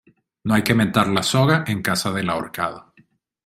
No hay que mentar la soga en casa del ahorcado